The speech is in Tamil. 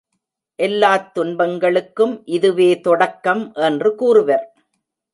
எல்லாத் துன்பங்களுக்கும் இதுவே தொடக்கம் என்று கூறுவர்.